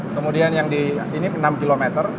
kemudian yang di ini enam km